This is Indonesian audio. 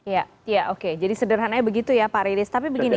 ya oke jadi sederhananya begitu ya pak riris